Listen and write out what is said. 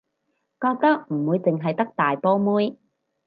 覺得唔會淨係得大波妹